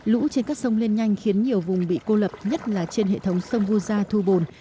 lũ trên các sông lên nhanh khiến nhiều vùng bị cô lập nhất là trên hệ thống sông vu gia thu bồn